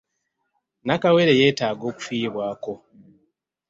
Nakawere yeetaaga okufiibwako.